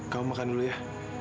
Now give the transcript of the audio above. kamu makan dulu ya